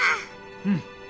うん。